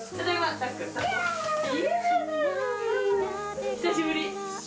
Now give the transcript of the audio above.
久しぶり！